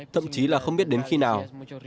thậm chí là không biết đến khi nào